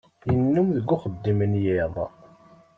Yennum deg uxeddim n yiḍ